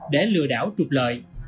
để lừa đảo trục lợi